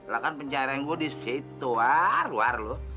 lah kan penjaraan gue disitu war war loh